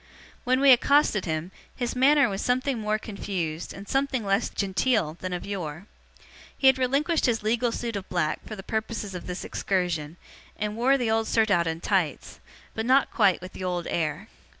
When we accosted him, his manner was something more confused, and something less genteel, than of yore. He had relinquished his legal suit of black for the purposes of this excursion, and wore the old surtout and tights, but not quite with the old air.